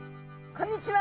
こんにちは！